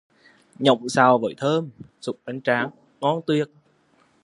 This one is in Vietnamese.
Nhộng xào với thơm, xúc bánh tráng, ngon tuyệt